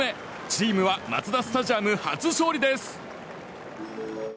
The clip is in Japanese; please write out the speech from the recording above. チームはマツダスタジアム初勝利です。